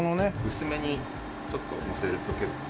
薄めにちょっとのせると結構。